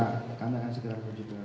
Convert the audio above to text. baru saja kita ikuti keterangan